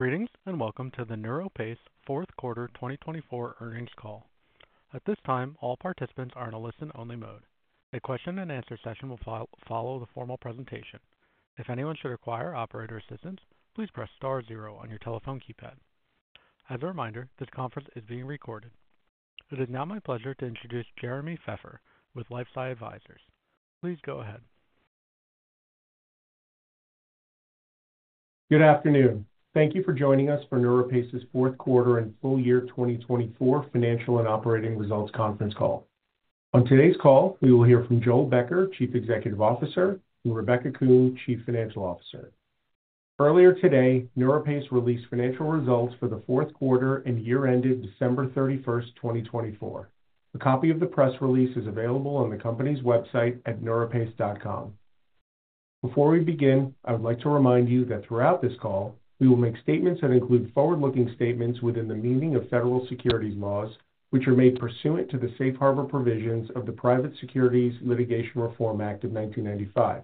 Greetings and welcome to the NeuroPace fourth quarter 2024 earnings call. At this time, all participants are in a listen-only mode. A question-and-answer session will follow the formal presentation. If anyone should require operator assistance, please press star zero on your telephone keypad. As a reminder, this conference is being recorded. It is now my pleasure to introduce Jeremy Feffer with LifeSci Advisors. Please go ahead. Good afternoon. Thank you for joining us for NeuroPace's fourth quarter and full year 2024 financial and operating results conference call. On today's call, we will hear from Joel Becker, Chief Executive Officer, and Rebecca Kuhn, Chief Financial Officer. Earlier today, NeuroPace released financial results for the fourth quarter and year ended December 31, 2024. A copy of the press release is available on the company's website at neuropace.com. Before we begin, I would like to remind you that throughout this call, we will make statements that include forward-looking statements within the meaning of federal securities laws, which are made pursuant to the safe harbor provisions of the Private Securities Litigation Reform Act of 1995.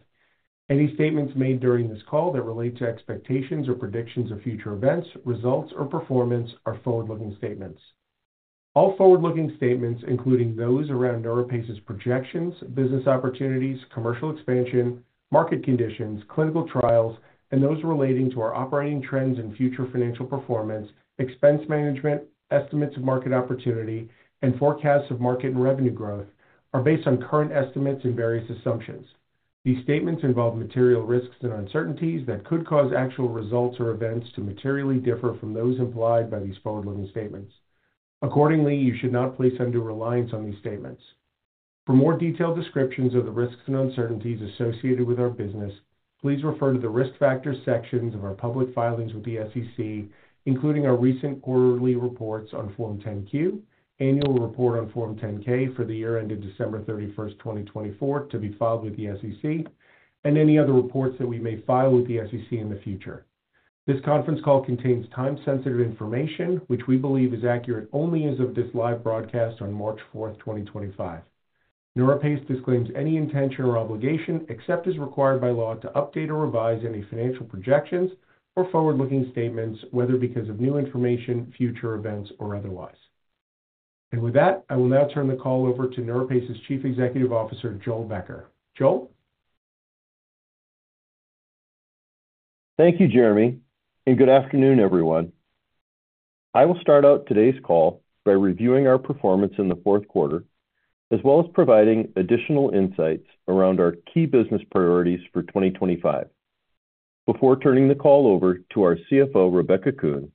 Any statements made during this call that relate to expectations or predictions of future events, results, or performance are forward-looking statements. All forward-looking statements, including those around NeuroPace's projections, business opportunities, commercial expansion, market conditions, clinical trials, and those relating to our operating trends and future financial performance, expense management, estimates of market opportunity, and forecasts of market and revenue growth, are based on current estimates and various assumptions. These statements involve material risks and uncertainties that could cause actual results or events to materially differ from those implied by these forward-looking statements. Accordingly, you should not place undue reliance on these statements. For more detailed descriptions of the risks and uncertainties associated with our business, please refer to the risk factors sections of our public filings with the SEC, including our recent quarterly reports on Form 10-Q, annual report on Form 10-K for the year ended December 31, 2024, to be filed with the SEC, and any other reports that we may file with the SEC in the future. This conference call contains time-sensitive information, which we believe is accurate only as of this live broadcast on March 4th, 2025. NeuroPace disclaims any intention or obligation except as required by law to update or revise any financial projections or forward-looking statements, whether because of new information, future events, or otherwise. With that, I will now turn the call over to NeuroPace's Chief Executive Officer, Joel Becker. Joel? Thank you, Jeremy, and good afternoon, everyone. I will start out today's call by reviewing our performance in the fourth quarter, as well as providing additional insights around our key business priorities for 2025. Before turning the call over to our CFO, Rebecca Kuhn,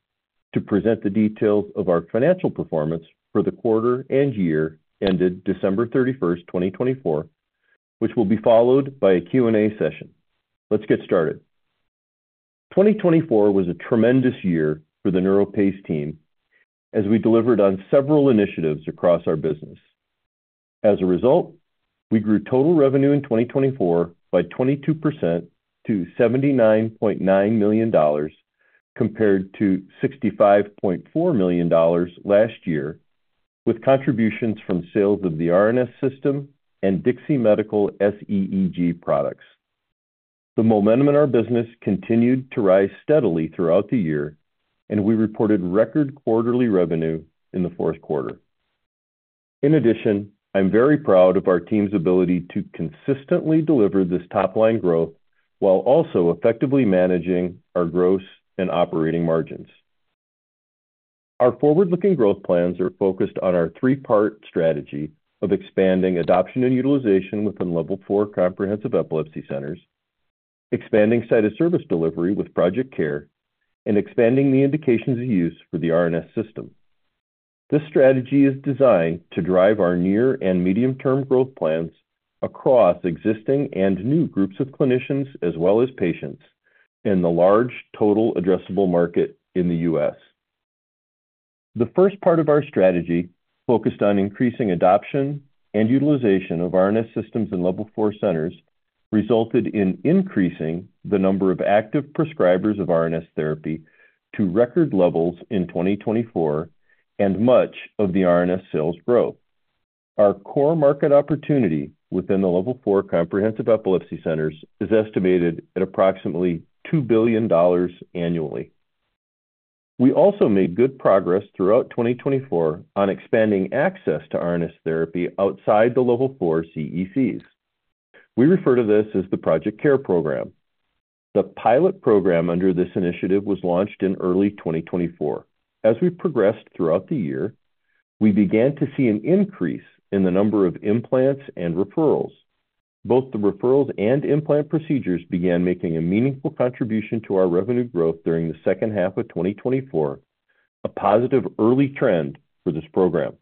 to present the details of our financial performance for the quarter and year ended December 31, 2024, which will be followed by a Q&A session. Let's get started. 2024 was a tremendous year for the NeuroPace team as we delivered on several initiatives across our business. As a result, we grew total revenue in 2024 by 22% to $79.9 million compared to $65.4 million last year, with contributions from sales of the RNS System and Dixie Medical SEEG products. The momentum in our business continued to rise steadily throughout the year, and we reported record quarterly revenue in the fourth quarter. In addition, I'm very proud of our team's ability to consistently deliver this top-line growth while also effectively managing our gross and operating margins. Our forward-looking growth plans are focused on our three-part strategy of expanding adoption and utilization within Level 4 Comprehensive Epilepsy Centers, expanding site-of-service delivery with Project CARE, and expanding the indications of use for the RNS System. This strategy is designed to drive our near and medium-term growth plans across existing and new groups of clinicians as well as patients in the large total addressable market in the U.S. The first part of our strategy focused on increasing adoption and utilization of RNS Systems in Level 4 centers resulted in increasing the number of active prescribers of RNS therapy to record levels in 2024 and much of the RNS sales growth. Our core market opportunity within the Level 4 Comprehensive Epilepsy Centers is estimated at approximately $2 billion annually. We also made good progress throughout 2024 on expanding access to RNS therapy outside the Level 4 CECs. We refer to this as the Project CARE program. The pilot program under this initiative was launched in early 2024. As we progressed throughout the year, we began to see an increase in the number of implants and referrals. Both the referrals and implant procedures began making a meaningful contribution to our revenue growth during the second half of 2024, a positive early trend for this program.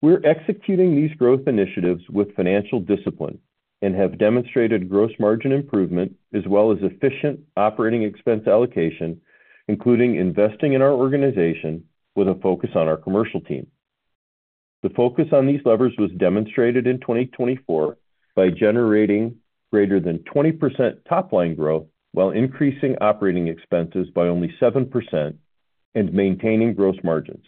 We're executing these growth initiatives with financial discipline and have demonstrated gross margin improvement as well as efficient operating expense allocation, including investing in our organization with a focus on our commercial team. The focus on these levers was demonstrated in 2024 by generating greater than 20% top-line growth while increasing operating expenses by only 7% and maintaining gross margins.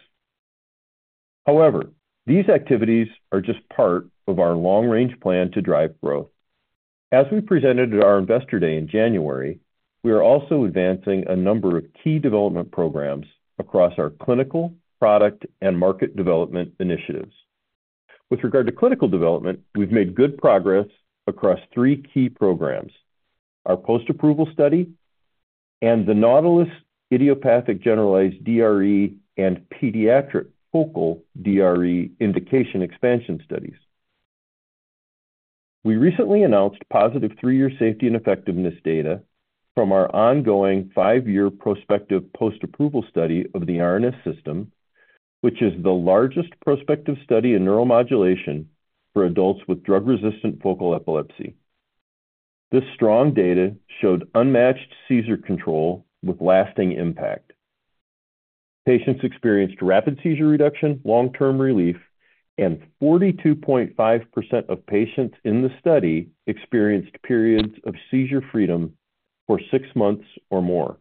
However, these activities are just part of our long-range plan to drive growth. As we presented at our Investor Day in January, we are also advancing a number of key development programs across our clinical, product, and market development initiatives. With regard to clinical development, we've made good progress across three key programs: our post-approval study and the NAUTILUS Idiopathic Generalized DRE and Pediatric Focal DRE Indication Expansion Studies. We recently announced positive three-year safety and effectiveness data from our ongoing five-year prospective post-approval study of the RNS System, which is the largest prospective study in neuromodulation for adults with drug-resistant focal epilepsy. This strong data showed unmatched seizure control with lasting impact. Patients experienced rapid seizure reduction, long-term relief, and 42.5% of patients in the study experienced periods of seizure freedom for six months or more.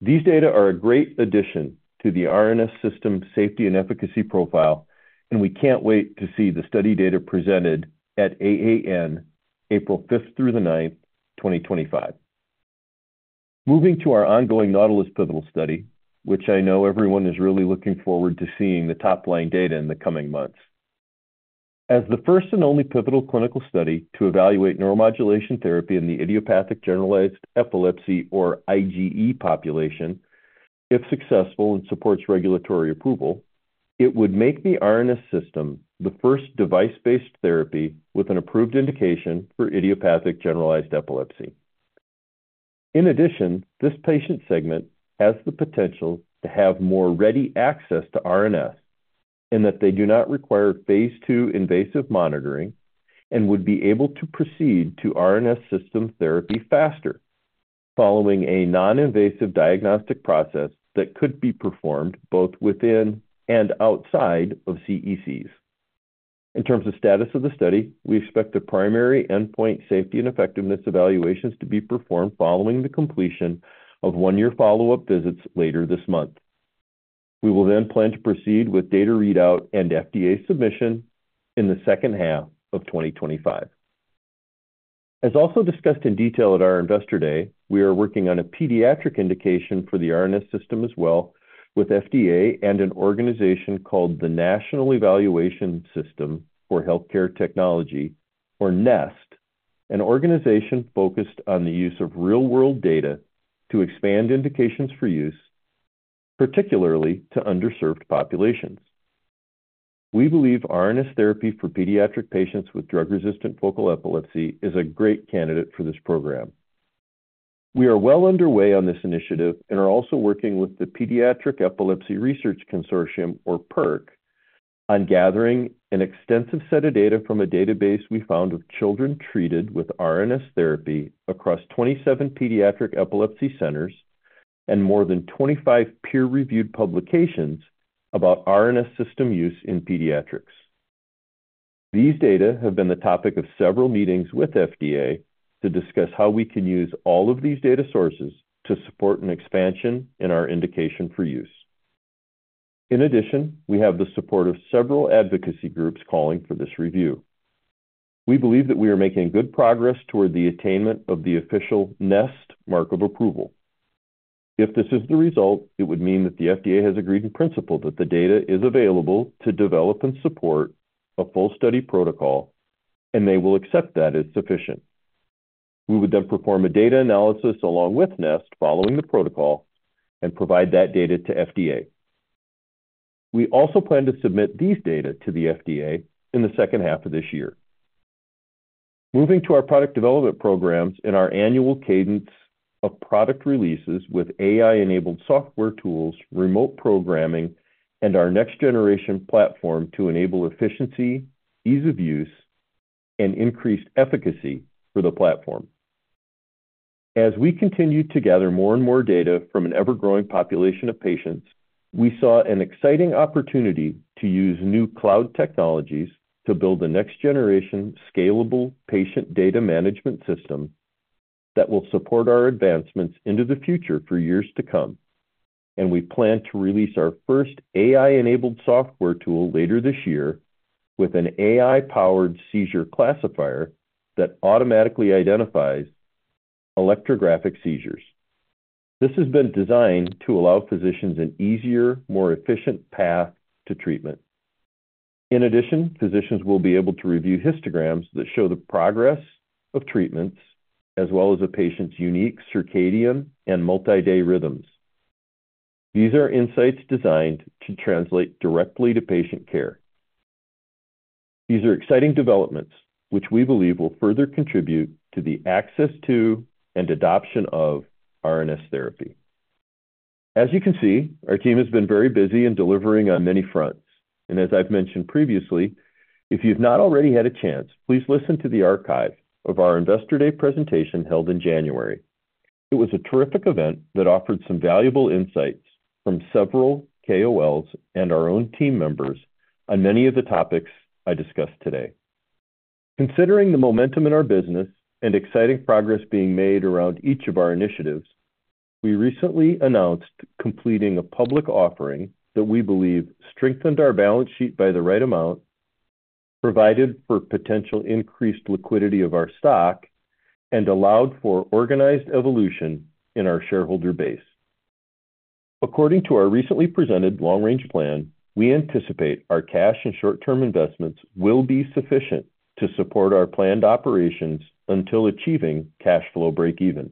These data are a great addition to the RNS System safety and efficacy profile, and we can't wait to see the study data presented at AAN April 5th through the 9th, 2025. Moving to our ongoing NAUTILUS pivotal study, which I know everyone is really looking forward to seeing the top-line data in the coming months. As the first and only pivotal clinical study to evaluate neuromodulation therapy in the idiopathic generalized epilepsy or IGE population, if successful and supports regulatory approval, it would make the RNS System the first device-based therapy with an approved indication for idiopathic generalized epilepsy. In addition, this patient segment has the potential to have more ready access to RNS in that they do not require phase two invasive monitoring and would be able to proceed to RNS System therapy faster following a non-invasive diagnostic process that could be performed both within and outside of CECs. In terms of status of the study, we expect the primary endpoint safety and effectiveness evaluations to be performed following the completion of one-year follow-up visits later this month. We will then plan to proceed with data readout and FDA submission in the second half of 2025. As also discussed in detail at our Investor Day, we are working on a pediatric indication for the RNS System as well with FDA and an organization called the National Evaluation System for health Technology, or NEST, an organization focused on the use of real-world data to expand indications for use, particularly to underserved populations. We believe RNS therapy for pediatric patients with drug-resistant focal epilepsy is a great candidate for this program. We are well underway on this initiative and are also working with the Pediatric Epilepsy Research Consortium, or PERC, on gathering an extensive set of data from a database we found of children treated with RNS therapy across 27 pediatric epilepsy centers and more than 25 peer-reviewed publications about RNS System use in pediatrics. These data have been the topic of several meetings with FDA to discuss how we can use all of these data sources to support an expansion in our indication for use. In addition, we have the support of several advocacy groups calling for this review. We believe that we are making good progress toward the attainment of the official NEST mark of approval. If this is the result, it would mean that the FDA has agreed in principle that the data is available to develop and support a full study protocol, and they will accept that as sufficient. We would then perform a data analysis along with NEST following the protocol and provide that data to FDA. We also plan to submit these data to the FDA in the second half of this year. Moving to our product development programs and our annual cadence of product releases with AI-enabled software tools, remote programming, and our next-generation platform to enable efficiency, ease of use, and increased efficacy for the platform. As we continue to gather more and more data from an ever-growing population of patients, we saw an exciting opportunity to use new cloud technologies to build a next-generation scalable patient data management system that will support our advancements into the future for years to come. We plan to release our first AI-enabled software tool later this year with an AI-powered seizure classifier that automatically identifies electrographic seizures. This has been designed to allow physicians an easier, more efficient path to treatment. In addition, physicians will be able to review histograms that show the progress of treatments as well as a patient's unique circadian and multi-day rhythms. These are insights designed to translate directly to patient care. These are exciting developments, which we believe will further contribute to the access to and adoption of RNS therapy. As you can see, our team has been very busy in delivering on many fronts. As I've mentioned previously, if you've not already had a chance, please listen to the archive of our Investor Day presentation held in January. It was a terrific event that offered some valuable insights from several KOLs and our own team members on many of the topics I discussed today. Considering the momentum in our business and exciting progress being made around each of our initiatives, we recently announced completing a public offering that we believe strengthened our balance sheet by the right amount, provided for potential increased liquidity of our stock, and allowed for organized evolution in our shareholder base. According to our recently presented long-range plan, we anticipate our cash and short-term investments will be sufficient to support our planned operations until achieving cash flow breakeven.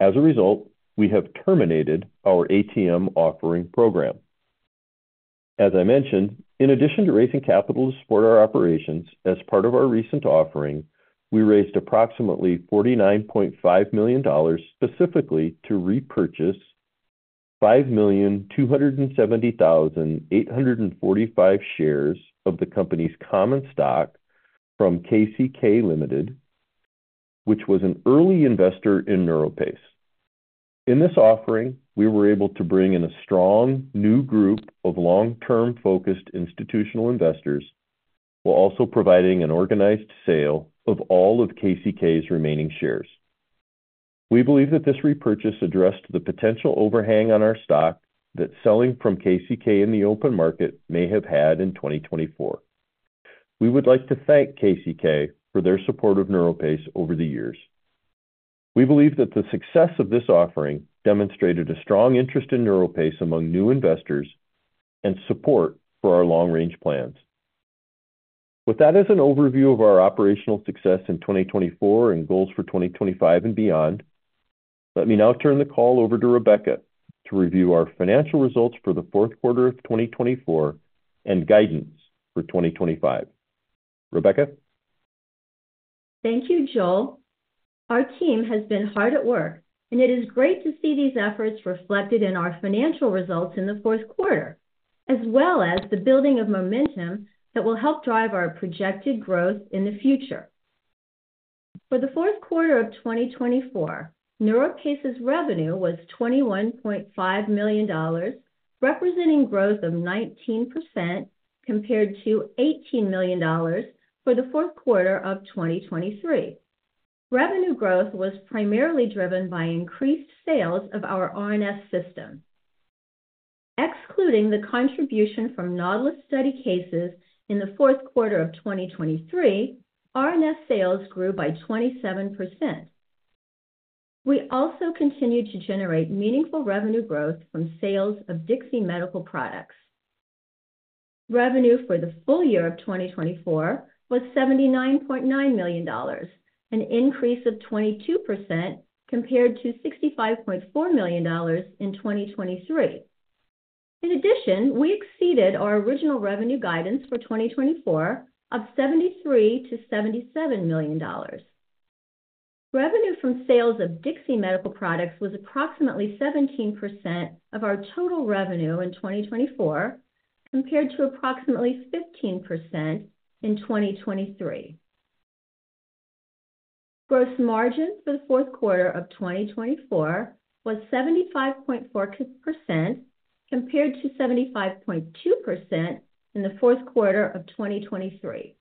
As a result, we have terminated our ATM offering program. As I mentioned, in addition to raising capital to support our operations, as part of our recent offering, we raised approximately $49.5 million specifically to repurchase 5,270,845 shares of the company's common stock from KCK Limited, which was an early investor in NeuroPace. In this offering, we were able to bring in a strong new group of long-term focused institutional investors while also providing an organized sale of all of KCK's remaining shares. We believe that this repurchase addressed the potential overhang on our stock that selling from KCK in the open market may have had in 2024. We would like to thank KCK for their support of NeuroPace over the years. We believe that the success of this offering demonstrated a strong interest in NeuroPace among new investors and support for our long-range plans. With that as an overview of our operational success in 2024 and goals for 2025 and beyond, let me now turn the call over to Rebecca to review our financial results for the fourth quarter of 2024 and guidance for 2025. Rebecca? Thank you, Joel. Our team has been hard at work, and it is great to see these efforts reflected in our financial results in the fourth quarter, as well as the building of momentum that will help drive our projected growth in the future. For the fourth quarter of 2024, NeuroPace's revenue was $21.5 million, representing growth of 19% compared to $18 million for the fourth quarter of 2023. Revenue growth was primarily driven by increased sales of our RNS System. Excluding the contribution from NAUTILUS study cases in the fourth quarter of 2023, RNS sales grew by 27%. We also continued to generate meaningful revenue growth from sales of Dixie Medical products. Revenue for the full year of 2024 was $79.9 million, an increase of 22% compared to $65.4 million in 2023. In addition, we exceeded our original revenue guidance for 2024 of $73-$77 million. Revenue from sales of Dixie Medical products was approximately 17% of our total revenue in 2024 compared to approximately 15% in 2023. Gross margin for the fourth quarter of 2024 was 75.4% compared to 75.2% in the fourth quarter of 2023.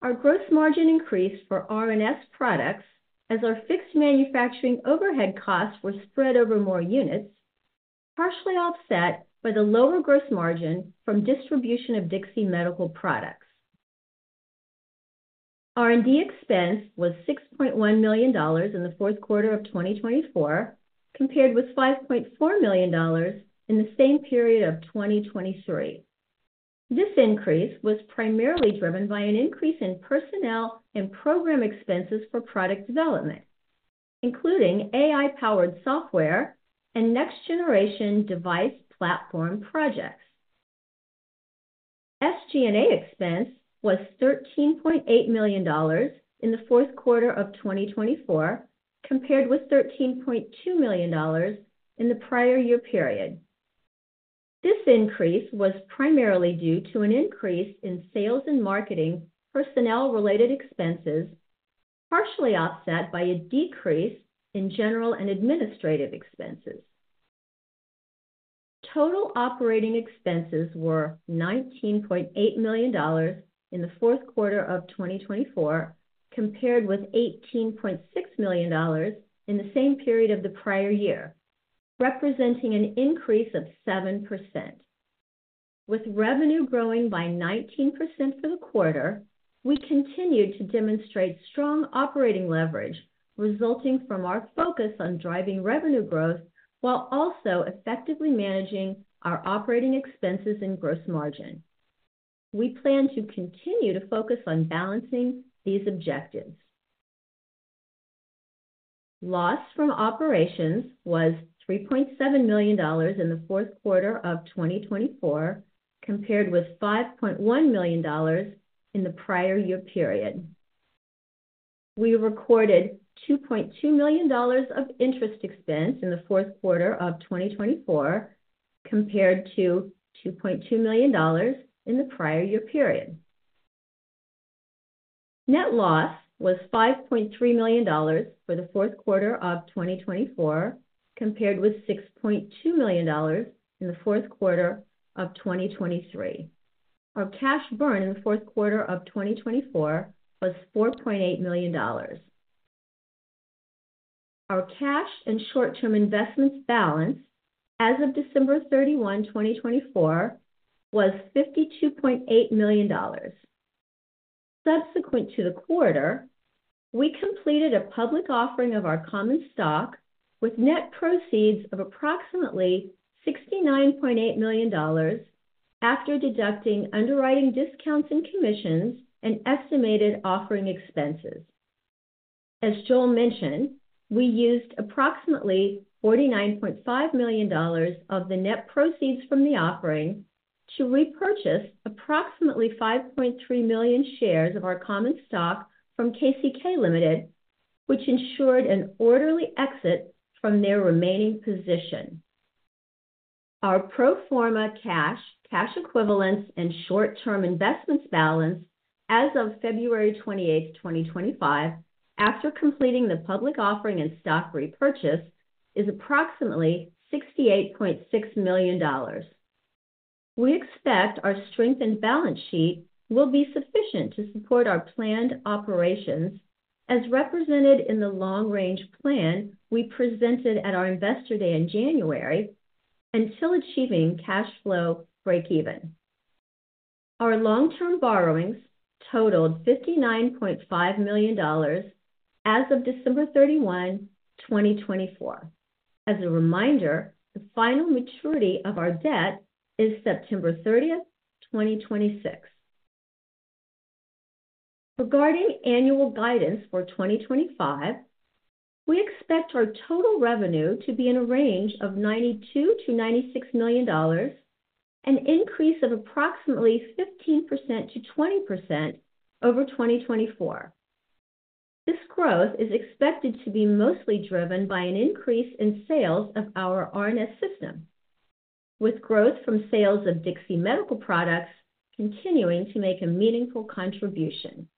Our gross margin increased for RNS products as our fixed manufacturing overhead costs were spread over more units, partially offset by the lower gross margin from distribution of Dixie Medical products. R&D expense was $6.1 million in the fourth quarter of 2024 compared with $5.4 million in the same period of 2023. This increase was primarily driven by an increase in personnel and program expenses for product development, including AI-powered software and next-generation device platform projects. SG&A expense was $13.8 million in the fourth quarter of 2024 compared with $13.2 million in the prior year period. This increase was primarily due to an increase in sales and marketing personnel-related expenses, partially offset by a decrease in general and administrative expenses. Total operating expenses were $19.8 million in the fourth quarter of 2024 compared with $18.6 million in the same period of the prior year, representing an increase of 7%. With revenue growing by 19% for the quarter, we continued to demonstrate strong operating leverage resulting from our focus on driving revenue growth while also effectively managing our operating expenses and gross margin. We plan to continue to focus on balancing these objectives. Loss from operations was $3.7 million in the fourth quarter of 2024 compared with $5.1 million in the prior year period. We recorded $2.2 million of interest expense in the fourth quarter of 2024 compared to $2.2 million in the prior year period. Net loss was $5.3 million for the fourth quarter of 2024 compared with $6.2 million in the fourth quarter of 2023. Our cash burn in the fourth quarter of 2024 was $4.8 million. Our cash and short-term investments balance as of December 31, 2024, was $52.8 million. Subsequent to the quarter, we completed a public offering of our common stock with net proceeds of approximately $69.8 million after deducting underwriting discounts and commissions and estimated offering expenses. As Joel mentioned, we used approximately $49.5 million of the net proceeds from the offering to repurchase approximately 5.3 million shares of our common stock from KCK Limited, which ensured an orderly exit from their remaining position. Our pro forma cash, cash equivalents, and short-term investments balance as of February 28, 2025, after completing the public offering and stock repurchase, is approximately $68.6 million. We expect our strengthened balance sheet will be sufficient to support our planned operations as represented in the long-range plan we presented at our Investor Day in January until achieving cash flow breakeven. Our long-term borrowings totaled $59.5 million as of December 31, 2024. As a reminder, the final maturity of our debt is September 30, 2026. Regarding annual guidance for 2025, we expect our total revenue to be in a range of $92 million-$96 million, an increase of approximately 15%-20% over 2024. This growth is expected to be mostly driven by an increase in sales of our RNS System, with growth from sales of Dixie Medical products continuing to make a meaningful contribution.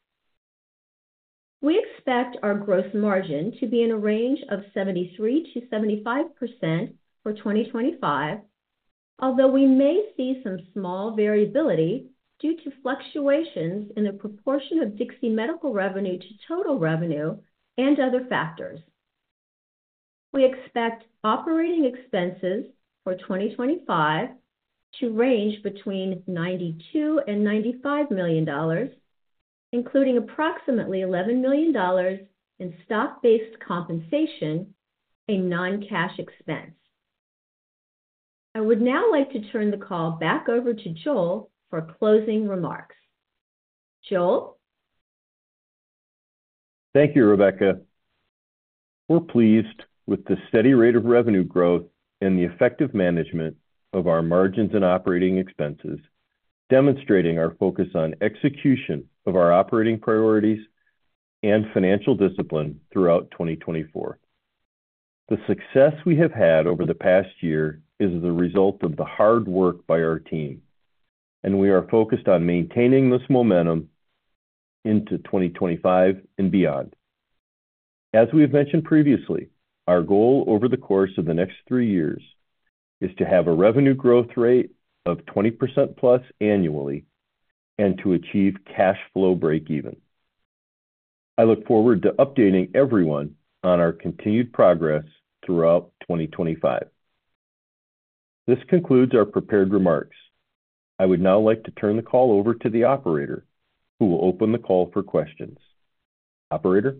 We expect our gross margin to be in a range of 73%-75% for 2025, although we may see some small variability due to fluctuations in the proportion of Dixie Medical revenue to total revenue and other factors. We expect operating expenses for 2025 to range between $92 and $95 million, including approximately $11 million in stock-based compensation, a non-cash expense. I would now like to turn the call back over to Joel for closing remarks. Thank you, Rebecca. We're pleased with the steady rate of revenue growth and the effective management of our margins and operating expenses, demonstrating our focus on execution of our operating priorities and financial discipline throughout 2024. The success we have had over the past year is the result of the hard work by our team, and we are focused on maintaining this momentum into 2025 and beyond. As we've mentioned previously, our goal over the course of the next three years is to have a revenue growth rate of 20% plus annually and to achieve cash flow breakeven. I look forward to updating everyone on our continued progress throughout 2025. This concludes our prepared remarks. I would now like to turn the call over to the operator, who will open the call for questions. Operator?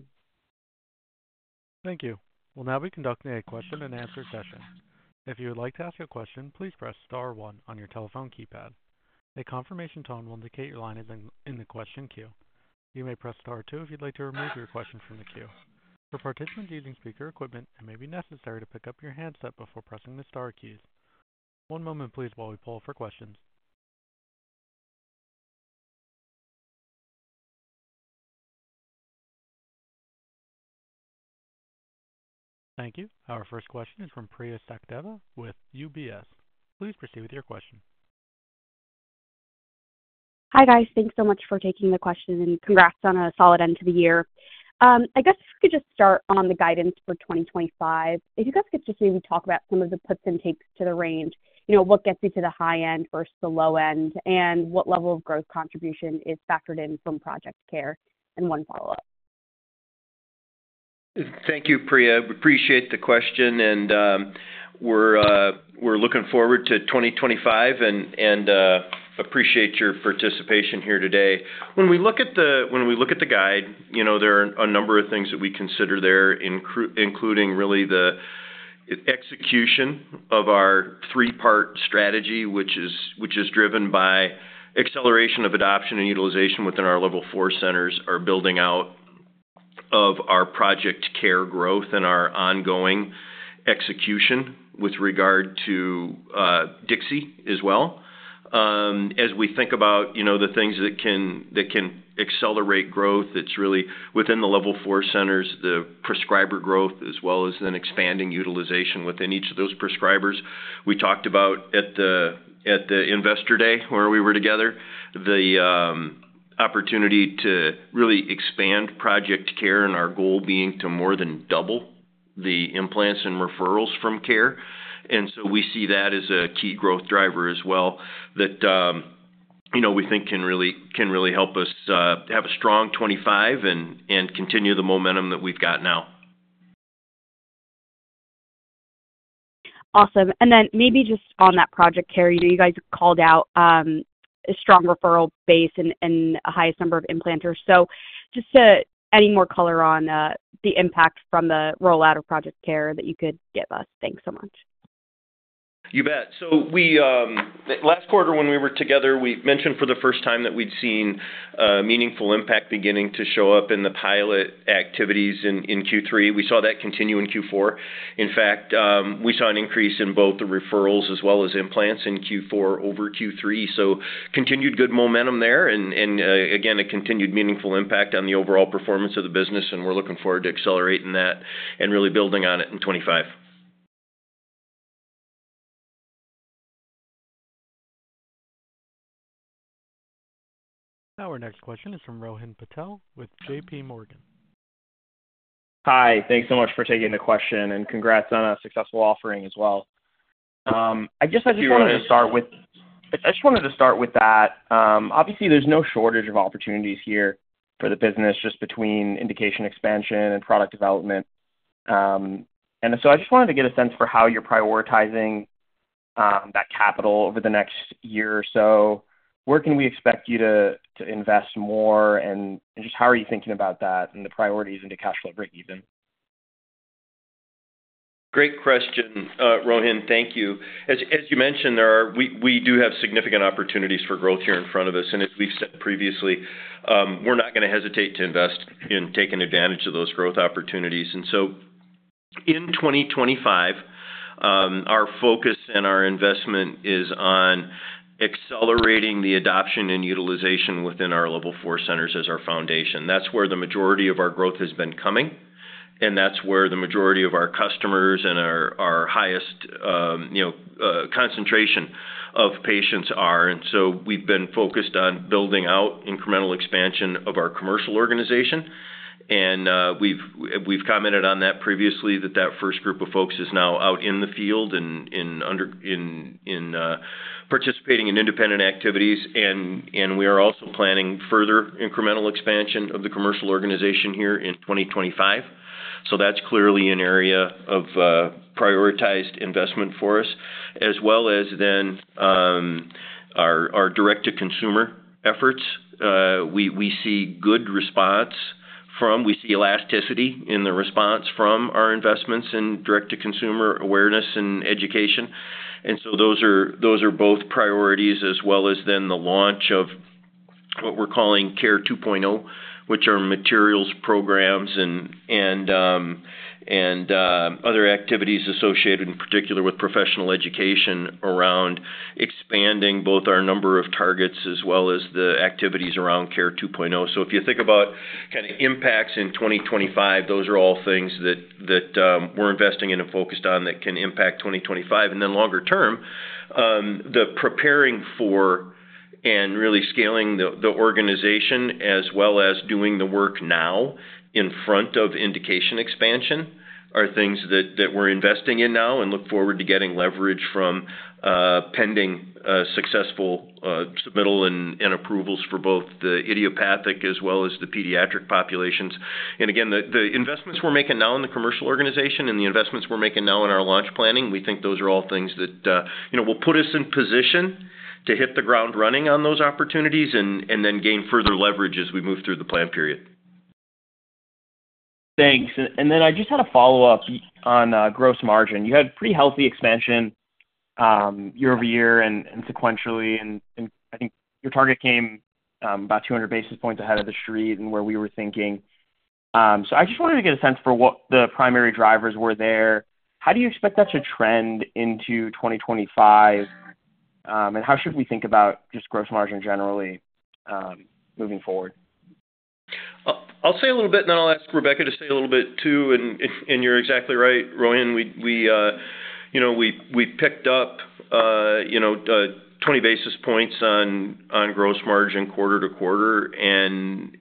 Thank you. We'll now be conducting a question-and-answer session. If you would like to ask a question, please press *1 on your telephone keypad. A confirmation tone will indicate your line is in the question queue. You may press *2 if you'd like to remove your question from the queue. For participants using speaker equipment, it may be necessary to pick up your handset before pressing the * keys. One moment, please, while we pull up for questions. Thank you. Our first question is from Priya Sachdeva with UBS. Please proceed with your question. Hi, guys. Thanks so much for taking the question, and congrats on a solid end to the year. I guess if we could just start on the guidance for 2025. If you guys could just maybe talk about some of the puts and takes to the range, what gets you to the high end versus the low end, and what level of growth contribution is factored in from Project CARE? And one follow-up. Thank you, Priya. We appreciate the question, and we're looking forward to 2025 and appreciate your participation here today. When we look at the guide, there are a number of things that we consider there, including really the execution of our three-part strategy, which is driven by acceleration of adoption and utilization within our Level 4 centers, our building out of our Project CARE growth, and our ongoing execution with regard to Dixie as well. As we think about the things that can accelerate growth, it's really within the Level 4 centers, the prescriber growth, as well as then expanding utilization within each of those prescribers. We talked about at the Investor Day, where we were together, the opportunity to really expand Project CARE and our goal being to more than double the implants and referrals from CARE. We see that as a key growth driver as well that we think can really help us have a strong 2025 and continue the momentum that we've got now. Awesome. Maybe just on that Project CARE, you guys called out a strong referral base and a highest number of implanters. Just to add more color on the impact from the rollout of Project CARE that you could give us, thanks so much. You bet. Last quarter, when we were together, we mentioned for the first time that we'd seen meaningful impact beginning to show up in the pilot activities in Q3. We saw that continue in Q4. In fact, we saw an increase in both the referrals as well as implants in Q4 over Q3. Continued good momentum there, and again, a continued meaningful impact on the overall performance of the business, and we're looking forward to accelerating that and really building on it in 2025. Our next question is from Rohan Patel with JP Morgan. Hi. Thanks so much for taking the question, and congrats on a successful offering as well. I guess I just wanted to start with that. Obviously, there's no shortage of opportunities here for the business just between indication expansion and product development. I just wanted to get a sense for how you're prioritizing that capital over the next year or so. Where can we expect you to invest more, and just how are you thinking about that and the priorities into cash flow breakeven? Great question, Rohan. Thank you. As you mentioned, we do have significant opportunities for growth here in front of us. As we've said previously, we're not going to hesitate to invest in taking advantage of those growth opportunities. In 2025, our focus and our investment is on accelerating the adoption and utilization within our Level 4 centers as our foundation. That's where the majority of our growth has been coming, and that's where the majority of our customers and our highest concentration of patients are. We've been focused on building out incremental expansion of our commercial organization. We have commented on that previously, that that first group of folks is now out in the field and participating in independent activities. We are also planning further incremental expansion of the commercial organization here in 2025. That is clearly an area of prioritized investment for us, as well as our direct-to-consumer efforts. We see good response from, we see elasticity in the response from our investments in direct-to-consumer awareness and education. Those are both priorities, as well as the launch of what we are calling CARE 2.0, which are materials, programs, and other activities associated, in particular, with professional education around expanding both our number of targets as well as the activities around CARE 2.0. If you think about impacts in 2025, those are all things that we are investing in and focused on that can impact 2025. Longer term, the preparing for and really scaling the organization, as well as doing the work now in front of indication expansion, are things that we're investing in now and look forward to getting leverage from pending successful submittal and approvals for both the idiopathic as well as the pediatric populations. Again, the investments we're making now in the commercial organization and the investments we're making now in our launch planning, we think those are all things that will put us in position to hit the ground running on those opportunities and then gain further leverage as we move through the planned period. Thanks. I just had a follow-up on gross margin. You had pretty healthy expansion year over year and sequentially, and I think your target came about 200 basis points ahead of the street and where we were thinking. I just wanted to get a sense for what the primary drivers were there. How do you expect that to trend into 2025, and how should we think about just gross margin generally moving forward? I'll say a little bit, then I'll ask Rebecca to say a little bit too. You're exactly right, Rohan. We picked up 20 basis points on gross margin quarter to quarter and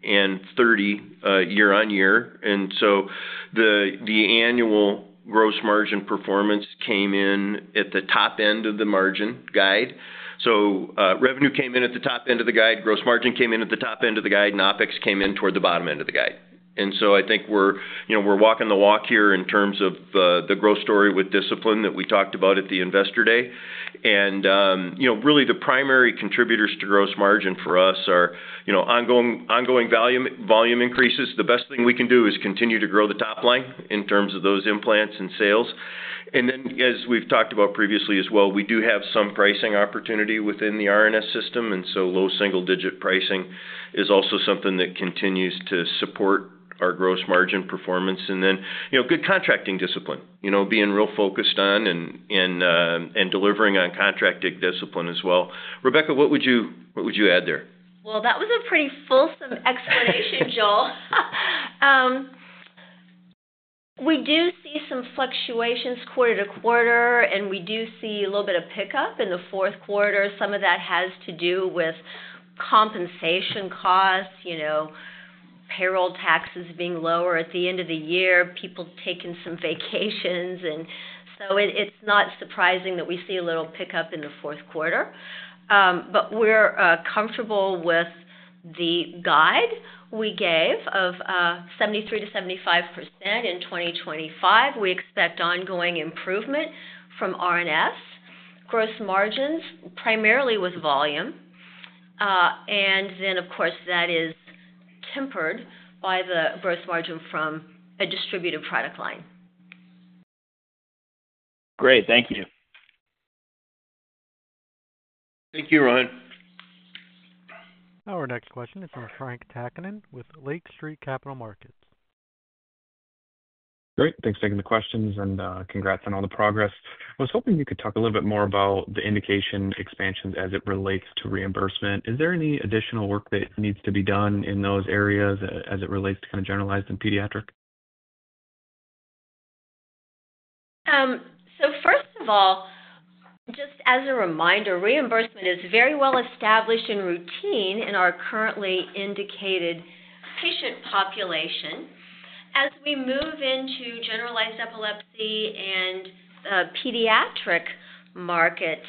30 year on year. The annual gross margin performance came in at the top end of the margin guide. Revenue came in at the top end of the guide, gross margin came in at the top end of the guide, and OpEx came in toward the bottom end of the guide. I think we're walking the walk here in terms of the growth story with discipline that we talked about at the Investor Day. Really, the primary contributors to gross margin for us are ongoing volume increases. The best thing we can do is continue to grow the top line in terms of those implants and sales. As we've talked about previously as well, we do have some pricing opportunity within the RNS System. Low single-digit pricing is also something that continues to support our gross margin performance. Good contracting discipline, being real focused on and delivering on contracting discipline as well. Rebecca, what would you add there? That was a pretty fulsome explanation, Joel. We do see some fluctuations quarter to quarter, and we do see a little bit of pickup in the fourth quarter. Some of that has to do with compensation costs, payroll taxes being lower at the end of the year, people taking some vacations. It is not surprising that we see a little pickup in the fourth quarter. We are comfortable with the guide we gave of 73%-75% in 2025. We expect ongoing improvement from RNS gross margins, primarily with volume. Of course, that is tempered by the gross margin from a distributed product line. Great. Thank you. Thank you, Rohan. Our next question is from Frank Takkinen with Lake Street Capital Markets. Great. Thanks for taking the questions, and congrats on all the progress. I was hoping you could talk a little bit more about the indication expansions as it relates to reimbursement. Is there any additional work that needs to be done in those areas as it relates to kind of generalized and pediatric? First of all, just as a reminder, reimbursement is very well established and routine in our currently indicated patient population. As we move into generalized epilepsy and pediatric markets,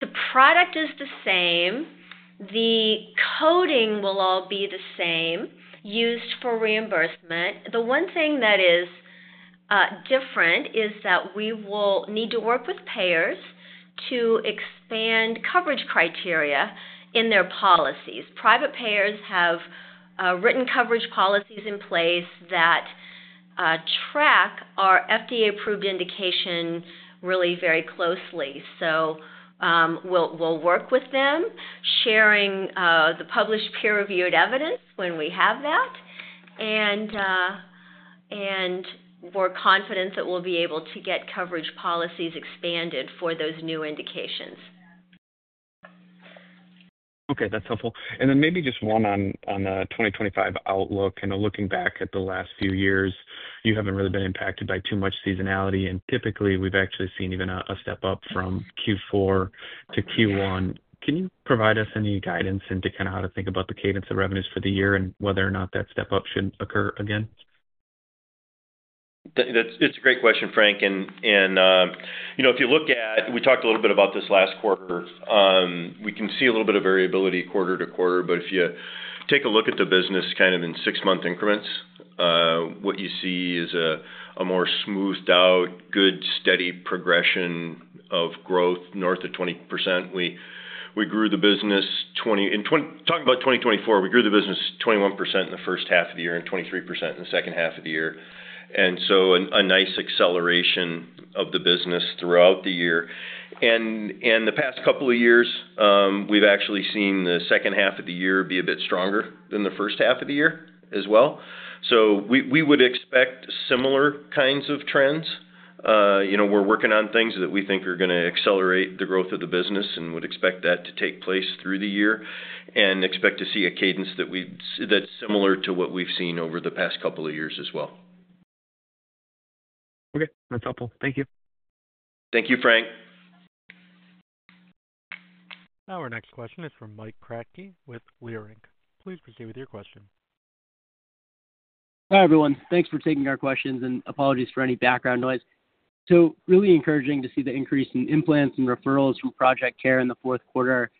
the product is the same. The coding will all be the same used for reimbursement. The one thing that is different is that we will need to work with payers to expand coverage criteria in their policies. Private payers have written coverage policies in place that track our FDA-approved indication really very closely. We will work with them, sharing the published peer-reviewed evidence when we have that, and we are confident that we will be able to get coverage policies expanded for those new indications. Okay. That is helpful. Maybe just one on the 2025 outlook. Looking back at the last few years, you have not really been impacted by too much seasonality, and typically, we have actually seen even a step up from Q4 to Q1. Can you provide us any guidance into kind of how to think about the cadence of revenues for the year and whether or not that step up should occur again? It's a great question, Frank. If you look at we talked a little bit about this last quarter. We can see a little bit of variability quarter to quarter, but if you take a look at the business kind of in six-month increments, what you see is a more smoothed-out, good, steady progression of growth north of 20%. We grew the business in talking about 2024, we grew the business 21% in the first half of the year and 23% in the second half of the year. A nice acceleration of the business throughout the year. The past couple of years, we've actually seen the second half of the year be a bit stronger than the first half of the year as well. We would expect similar kinds of trends. We're working on things that we think are going to accelerate the growth of the business and would expect that to take place through the year and expect to see a cadence that's similar to what we've seen over the past couple of years as well. Okay. That's helpful. Thank you. Thank you, Frank. Our next question is from Mike Kratky with Leerink Partners. Please proceed with your question. Hi everyone. Thanks for taking our questions, and apologies for any background noise. Really encouraging to see the increase in implants and referrals from Project CARE in the fourth quarter.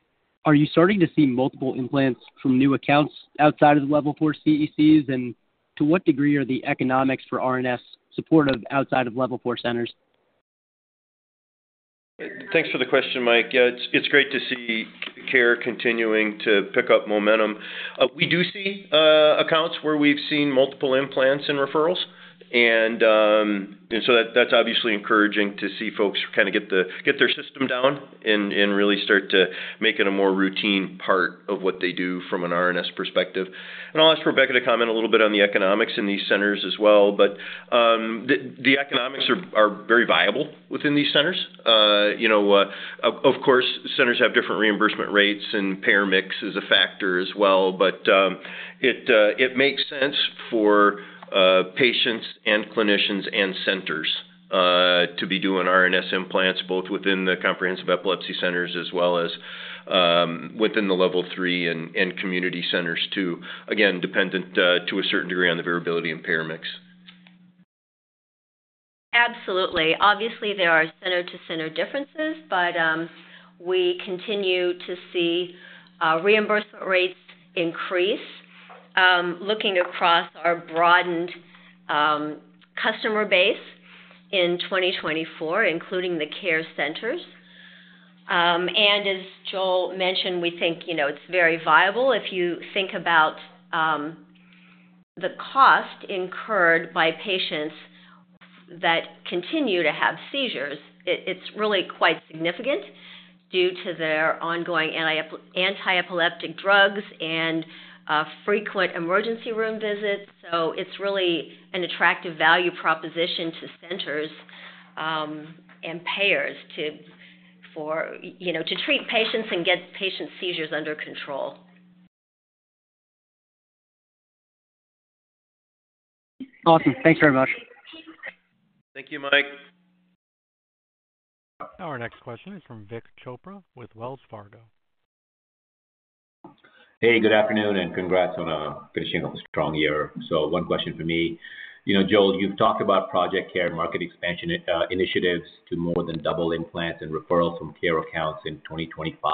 Are you starting to see multiple implants from new accounts outside of the Level 4 CECs, and to what degree are the economics for RNS supportive outside of Level 4 centers? Thanks for the question, Mike. It's great to see care continuing to pick up momentum. We do see accounts where we've seen multiple implants and referrals. That is obviously encouraging to see folks kind of get their system down and really start to make it a more routine part of what they do from an RNS perspective. I'll ask Rebecca to comment a little bit on the economics in these centers as well. The economics are very viable within these centers. Of course, centers have different reimbursement rates, and payer mix is a factor as well. It makes sense for patients and clinicians and centers to be doing RNS implants both within the comprehensive epilepsy centers as well as within the Level 3 and community centers too, again, dependent to a certain degree on the variability and payer mix. Absolutely. Obviously, there are center-to-center differences, but we continue to see reimbursement rates increase looking across our broadened customer base in 2024, including the care centers. As Joel mentioned, we think it's very viable. If you think about the cost incurred by patients that continue to have seizures, it's really quite significant due to their ongoing anti-epileptic drugs and frequent emergency room visits. It's really an attractive value proposition to centers and payers to treat patients and get patient seizures under control. Awesome. Thanks very much. Thank you, Mike. Our next question is from Vik Chopra with Wells Fargo. Hey, good afternoon, and congrats on finishing off a strong year. One question for me. Joel, you've talked about Project CARE and market expansion initiatives to more than double implants and referrals from CARE accounts in 2025.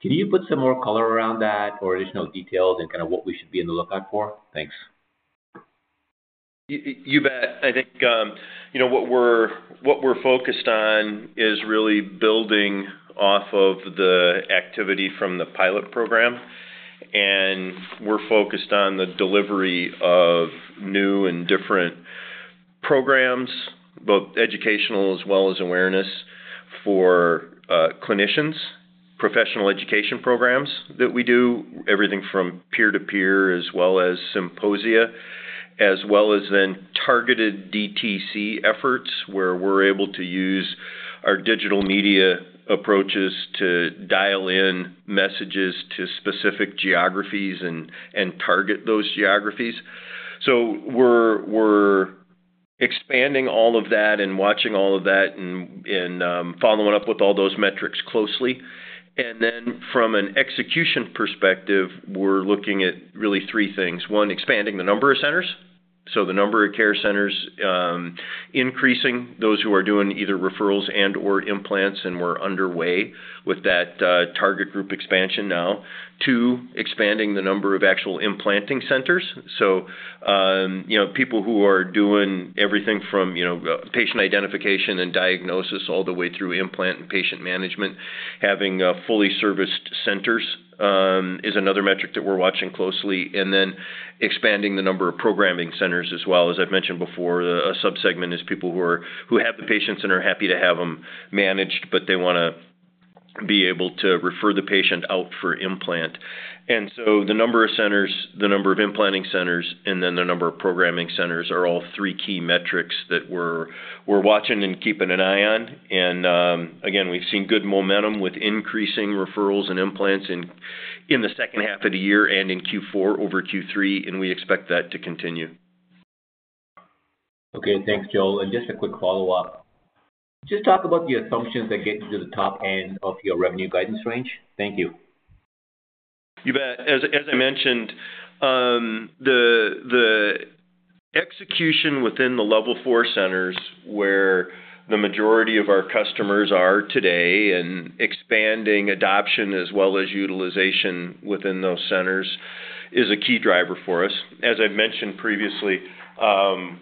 Can you put some more color around that or additional details and kind of what we should be on the lookout for? Thanks. You bet. I think what we're focused on is really building off of the activity from the pilot program. We're focused on the delivery of new and different programs, both educational as well as awareness for clinicians, professional education programs that we do, everything from peer-to-peer as well as symposia, as well as then targeted DTC efforts where we're able to use our digital media approaches to dial in messages to specific geographies and target those geographies. We're expanding all of that and watching all of that and following up with all those metrics closely. From an execution perspective, we're looking at really three things. One, expanding the number of centers. The number of care centers increasing, those who are doing either referrals and/or implants, and we're underway with that target group expansion now. Two, expanding the number of actual implanting centers. People who are doing everything from patient identification and diagnosis all the way through implant and patient management, having fully serviced centers is another metric that we're watching closely. Expanding the number of programming centers as well. As I've mentioned before, a subsegment is people who have the patients and are happy to have them managed, but they want to be able to refer the patient out for implant. The number of centers, the number of implanting centers, and then the number of programming centers are all three key metrics that we're watching and keeping an eye on. Again, we've seen good momentum with increasing referrals and implants in the second half of the year and in Q4 over Q3, and we expect that to continue. Okay. Thanks, Joel. Just a quick follow-up. Just talk about the assumptions that get you to the top end of your revenue guidance range. Thank you. You bet. As I mentioned, the execution within the Level 4 centers where the majority of our customers are today and expanding adoption as well as utilization within those centers is a key driver for us. As I've mentioned previously,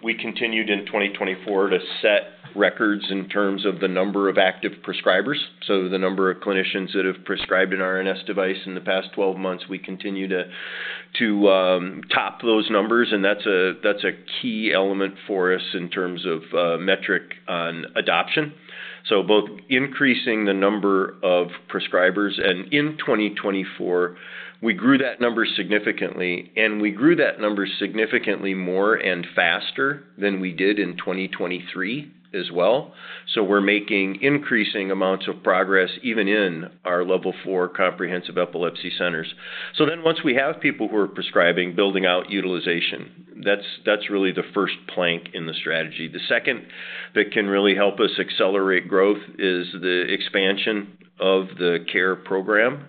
we continued in 2024 to set records in terms of the number of active prescribers. The number of clinicians that have prescribed an RNS device in the past 12 months, we continue to top those numbers. That is a key element for us in terms of metric on adoption. Both increasing the number of prescribers, and in 2024, we grew that number significantly, and we grew that number significantly more and faster than we did in 2023 as well. We are making increasing amounts of progress even in our Level 4 Comprehensive Epilepsy Centers. Once we have people who are prescribing, building out utilization, that is really the first plank in the strategy. The second that can really help us accelerate growth is the expansion of the care program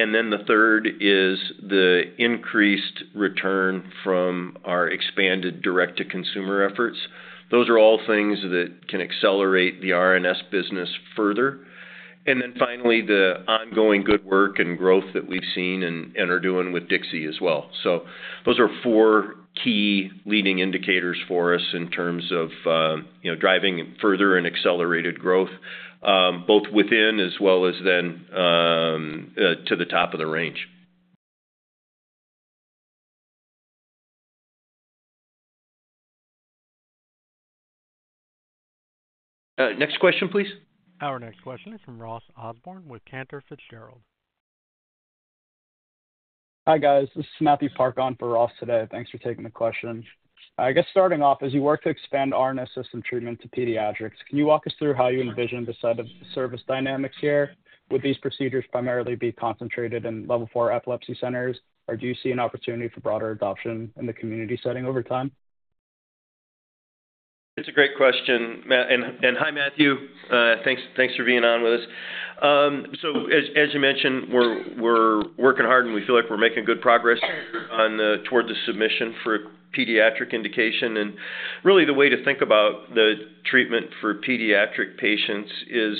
insights. The third is the increased return from our expanded direct-to-consumer efforts. Those are all things that can accelerate the RNS business further. Finally, the ongoing good work and growth that we've seen and are doing with Dixie as well. Those are four key leading indicators for us in terms of driving further and accelerated growth both within as well as then to the top of the range. Next question, please. Our next question is from Ross Osborne with Cantor Fitzgerald. Hi guys. This is Matthew Park on for Ross today. Thanks for taking the question. I guess starting off, as you work to expand RNS System treatment to pediatrics, can you walk us through how you envision the service dynamics here? Would these procedures primarily be concentrated in Level 4 epilepsy centers, or do you see an opportunity for broader adoption in the community setting over time? It's a great question. Hi, Matthew. Thanks for being on with us. As you mentioned, we're working hard, and we feel like we're making good progress toward the submission for pediatric indication. Really, the way to think about the treatment for pediatric patients is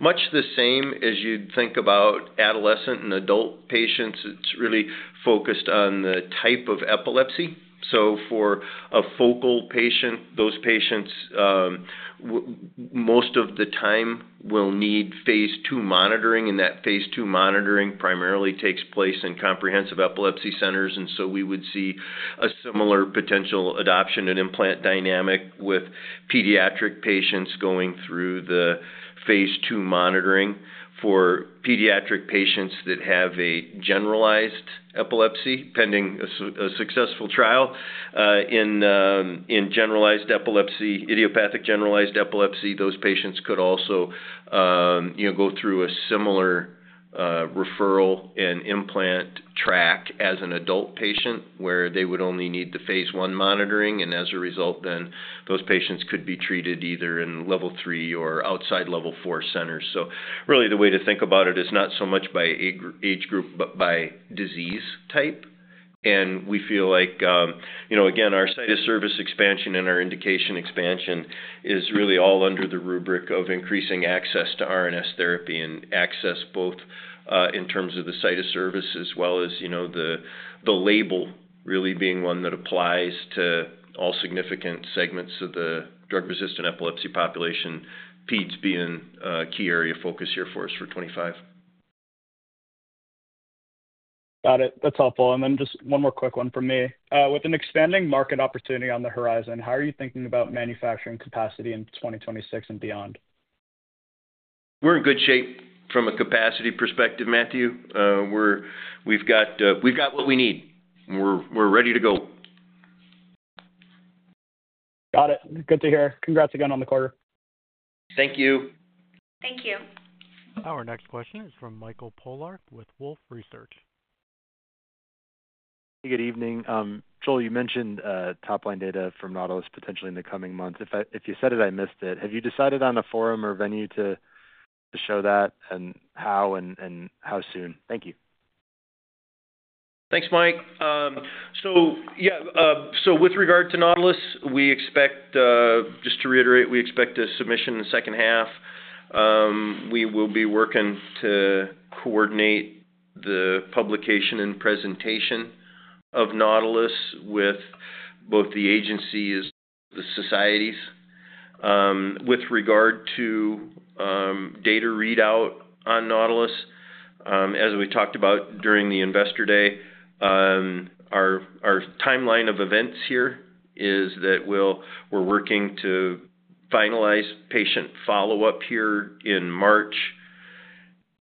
much the same as you'd think about adolescent and adult patients. It's really focused on the type of epilepsy. For a focal patient, those patients most of the time will need phase two monitoring, and that phase two monitoring primarily takes place in comprehensive epilepsy centers. We would see a similar potential adoption and implant dynamic with pediatric patients going through the phase two monitoring. For pediatric patients that have a generalized epilepsy, pending a successful trial, in generalized epilepsy, idiopathic generalized epilepsy, those patients could also go through a similar referral and implant track as an adult patient where they would only need the phase one monitoring. As a result, those patients could be treated either in Level 3 or outside Level 4 centers. Really, the way to think about it is not so much by age group but by disease type. We feel like, again, our site of service expansion and our indication expansion is really all under the rubric of increasing access to RNS therapy and access both in terms of the site of service as well as the label really being one that applies to all significant segments of the drug-resistant epilepsy population. PEDS being a key area of focus here for us for 2025. Got it. That's helpful. Just one more quick one from me. With an expanding market opportunity on the horizon, how are you thinking about manufacturing capacity in 2026 and beyond? We're in good shape from a capacity perspective, Matthew. We've got what we need. We're ready to go. Got it. Good to hear. Congrats again on the quarter. Thank you. Thank you. Our next question is from Michael Polark with Wolfe Research. Hey, good evening. Joel, you mentioned top-line data from NAUTILUS potentially in the coming months. If you said it, I missed it. Have you decided on a forum or venue to show that and how and how soon? Thank you. Thanks, Mike. With regard to NAUTILUS, we expect, just to reiterate, we expect a submission in the second half. We will be working to coordinate the publication and presentation of NAUTILUS with both the agencies and the societies. With regard to data readout on NAUTILUS, as we talked about during the investor day, our timeline of events here is that we're working to finalize patient follow-up here in March.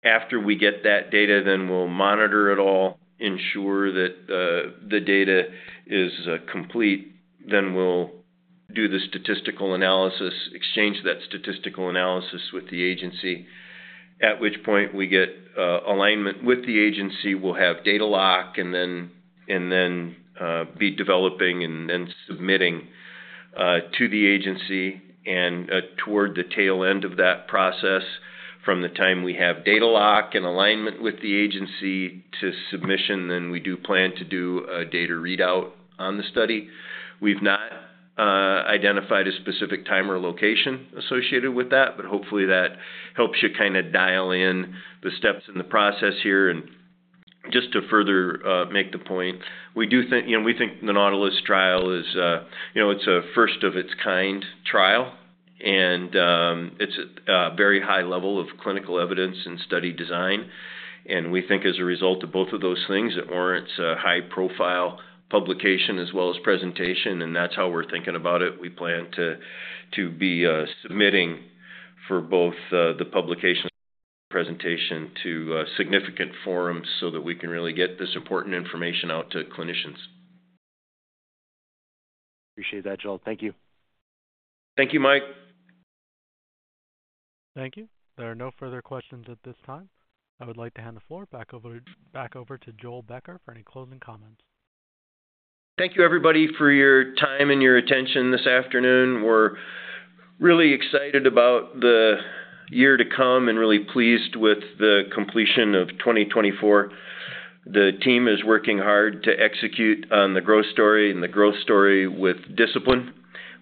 After we get that data, we'll monitor it all, ensure that the data is complete. We'll do the statistical analysis, exchange that statistical analysis with the agency, at which point we get alignment with the agency. We'll have data lock and then be developing and submitting to the agency. Toward the tail end of that process, from the time we have data lock and alignment with the agency to submission, we do plan to do a data readout on the study. We've not identified a specific time or location associated with that, but hopefully that helps you kind of dial in the steps in the process here. Just to further make the point, we think the NAUTILUS trial is a first-of-its-kind trial, and it's a very high level of clinical evidence and study design. We think as a result of both of those things, it warrants a high-profile publication as well as presentation, and that's how we're thinking about it. We plan to be submitting for both the publication and presentation to significant forums so that we can really get this important information out to clinicians. Appreciate that, Joel. Thank you. Thank you, Mike. Thank you. There are no further questions at this time. I would like to hand the floor back over to Joel Becker for any closing comments. Thank you, everybody, for your time and your attention this afternoon. We're really excited about the year to come and really pleased with the completion of 2024. The team is working hard to execute on the growth story and the growth story with discipline.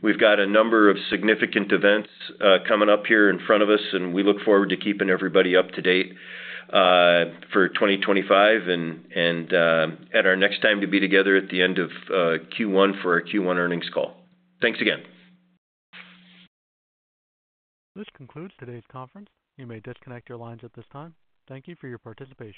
We've got a number of significant events coming up here in front of us, and we look forward to keeping everybody up to date for 2025. At our next time to be together at the end of Q1 for our Q1 earnings call. Thanks again. This concludes today's conference. You may disconnect your lines at this time. Thank you for your participation.